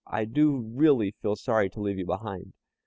I do really feel sorry to leave you behind."